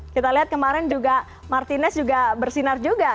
kita lihat kemarin juga martinez juga bersinar juga